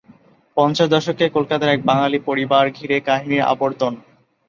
পঞ্চাশ দশকে কলকাতার এক বাঙালি পরিবার ঘিরে কাহিনীর আবর্তন।